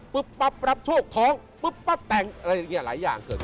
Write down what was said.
ปั๊บรับโชคท้องปุ๊บปั๊บแต่งอะไรอย่างนี้หลายอย่างเกิดขึ้น